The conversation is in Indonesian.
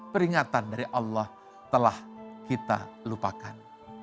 peringatan dari allah telah kita lupakan